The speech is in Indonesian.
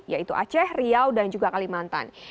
yaitu aceh riau dan juga kalimantan